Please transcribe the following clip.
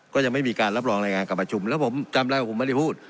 ก็ยังไม่มีการรับรองรายงานการประชุมแล้วผมจำได้ว่าผมไม่ได้พูด